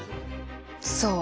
そう。